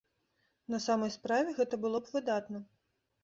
На самай справе, гэта было б выдатна.